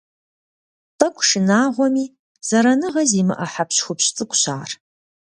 Тӏэкӏу шынагъуэми, зэраныгъэ зимыӀэ хьэпщхупщ цӀыкӀущ ар.